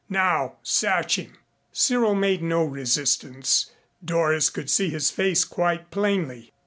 Now search him." Cyril made no resistance. Doris could see his face quite plainly.